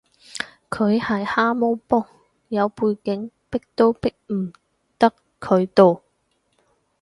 佢係蛤蟆幫，有背景，逼都逼唔得佢到